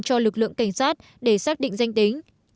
cho lực lượng cảnh sát để xác định danh tính